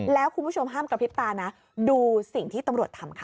แล้วคุณผู้ชมห้ามกระพริบตานะดูสิ่งที่ตำรวจทำค่ะ